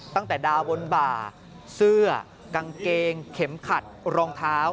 ตั้งแต่ดาวบนบ่าเสื้อกางเกงเข็มขัดรองเท้า